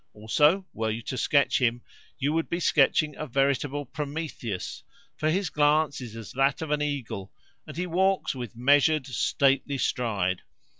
Also, were you to sketch him, you would be sketching a veritable Prometheus, for his glance is as that of an eagle, and he walks with measured, stately stride.